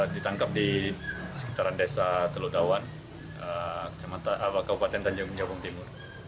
di tempat lokasi kemarin anak itu